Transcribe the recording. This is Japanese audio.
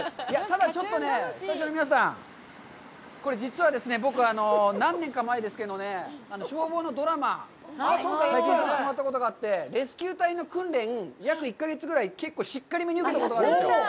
ただ、ちょっとスタジオの皆さん、実は、何年か前ですけど、消防のドラマ、撮影したことがあって、レスキュー隊の訓練、約１か月ぐらい、結構、しっかり目に受けたことがあるんですよ。